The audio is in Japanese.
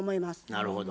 なるほど。